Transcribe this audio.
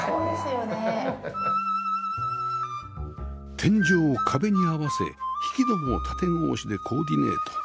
天井壁に合わせ引き戸も縦格子でコーディネート